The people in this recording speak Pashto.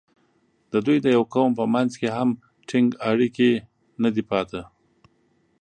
د دوی د یوه قوم په منځ کې هم ټینګ اړیکې نه دي پاتې.